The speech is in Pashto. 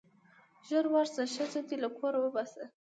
ژر ورشه ښځه دې له کوره وباسه.